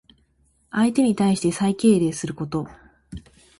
相手に対して最敬礼すること。